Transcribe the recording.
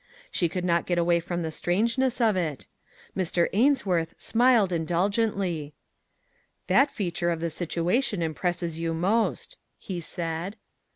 She could not get away from the strangeness of it. Mr. Ainsworth smiled indulgently. " That feature of the situation impresses you most," he said.